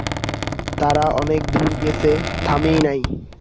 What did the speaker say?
তারা অনেক দূর গেছে, থামেই নাই।